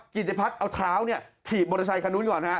จิตเวทเอาเท้าเนี่ยขี่บมอเตอร์ไซค์ข้างนู้นก่อน